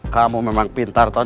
kamu memang pintar ton